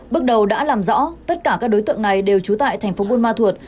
bước đầu đã làm rõ tất cả các đối tượng này đều trú tại thành phố bùa ma thuật